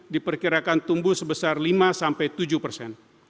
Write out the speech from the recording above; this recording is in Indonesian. diperkirakan tumbuh sebesar lima sampai tujuh persen